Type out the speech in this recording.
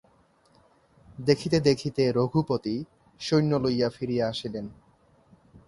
দেখিতে দেখিতে রঘুপতি সৈন্য লইয়া ফিরিয়া আসিলেন।